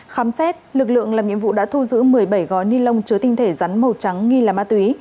khám xét lực lượng làm nhiệm vụ đã thu giữ một mươi bảy gói ni lông chứa tinh thể rắn màu trắng nghi là ma túy